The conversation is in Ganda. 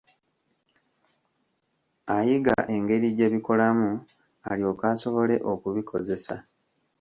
Ayiga engeri gye bikolamu alyoke asobole okubikozesa.